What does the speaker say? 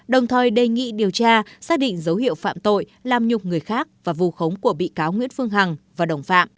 đồng thời đề nghị điều tra xác định dấu hiệu phạm tội làm nhục người khác và vù khống của bị cáo nguyễn phương hằng và đồng phạm